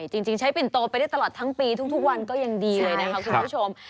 จริงใช้ปิ่นโตไปได้ตลอดทั้งปีทุกวันก็ยังดีเลยนะคะคุณผู้ชม